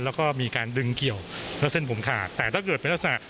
แล้วก็มีการดึงเกี่ยวแล้วเส้นผมขาดแต่ถ้าเกิดเป็นลักษณะ